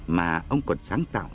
mà ông còn sáng tạo